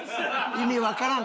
意味わからん！